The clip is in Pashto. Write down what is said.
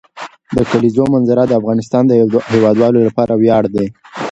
د کلیزو منظره د افغانستان د هیوادوالو لپاره ویاړ دی.